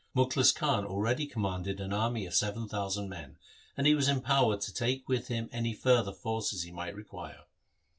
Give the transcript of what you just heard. Mukhlis Khan already commanded an army of seven thousand men, and he was empowered to take with him any further forces he might require.